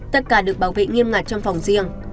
tất cả được bảo vệ nghiêm ngặt trong phòng riêng